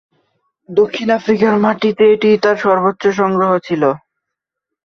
দক্ষিণ আফ্রিকার মাটিতে এটিই তার সর্বোচ্চ সংগ্রহ ছিল।